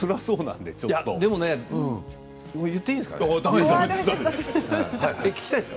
でもね言っていいんですか？